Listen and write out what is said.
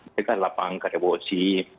kita adalah pangkat ebosi